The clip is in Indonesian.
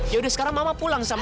yaudah sekarang mama pulang sama